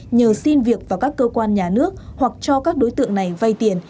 nhờ xin việc vào các cơ quan nhà nước hoặc cho các đối tượng này vay tiền